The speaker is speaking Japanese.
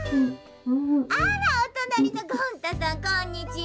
「あらおとなりのゴン太さんこんにちは。